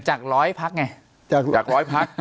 จากร้อยพักไงจากร้อยพัก